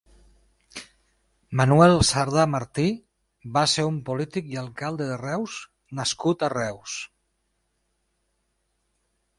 Manuel Sardà Martí va ser un polític i alcalde de Reus nascut a Reus.